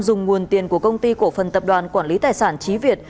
dùng nguồn tiền của công ty cổ phần tập đoàn quản lý tài sản trí việt